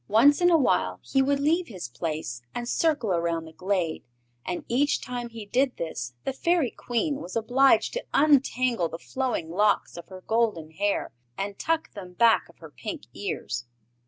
Once in a while he would leave his place and circle around the glade, and each time he did this the Fairy Queen was obliged to untangle the flowing locks of her golden hair and tuck them back of her pink ears.